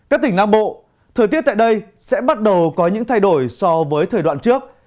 các tỉnh nam bộ thời tiết tại đây sẽ bắt đầu có những thay đổi so với thời đoạn trước